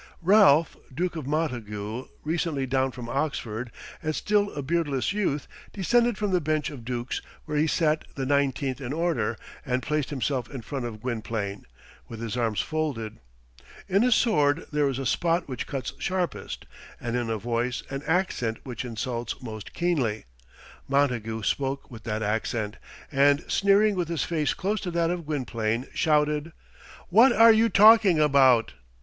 Ralph, Duke of Montagu, recently down from Oxford, and still a beardless youth, descended from the bench of dukes, where he sat the nineteenth in order, and placed himself in front of Gwynplaine, with his arms folded. In a sword there is a spot which cuts sharpest, and in a voice an accent which insults most keenly. Montagu spoke with that accent, and sneering with his face close to that of Gwynplaine, shouted, "What are you talking about?"